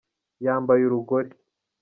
Yambaye urugori